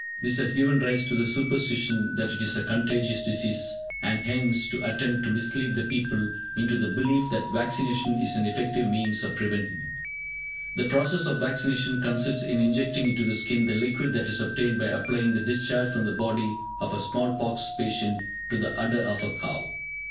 This has given rise to the superstition that it is a contagious disease, and hence to the attempt to mislead the people into the belief that vaccination is an effective means of preventing it. The process of vaccination consists in injecting into the skin the liquid that is obtained by applying the discharge from the body of a small pox patient to the udder of a cow.